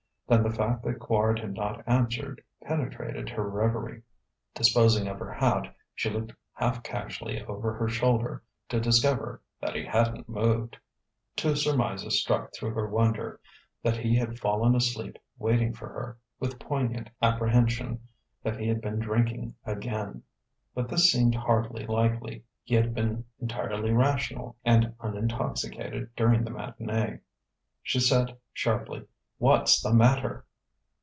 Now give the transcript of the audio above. Then the fact that Quard had not answered penetrated her reverie. Disposing of her hat, she looked half casually over her shoulder, to discover that he hadn't moved. Two surmises struck through her wonder: that he had fallen asleep waiting for her; with poignant apprehension, that he had been drinking again. But this seemed hardly likely: he had been entirely rational and unintoxicated during the matinée. She said sharply: "What's the matter?"